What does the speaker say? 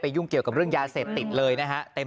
ยุ่งเกี่ยวกับเรื่องยาเสพติดเลยนะฮะ